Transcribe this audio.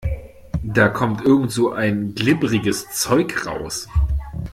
Da kommt irgend so ein glibberiges Zeug raus.